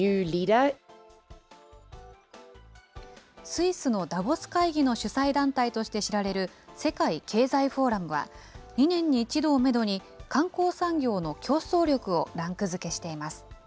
スイスのダボス会議の主催団体として知られる世界経済フォーラムは、２年に１度をメドに、観光産業の競争力をランク付けしています。